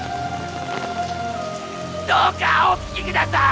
どうかお聞きください！